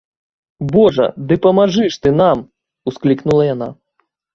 - Божа, ды памажы ж ты нам! - усклікнула яна